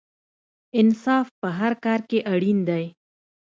انصاف په هر کار کې اړین دی.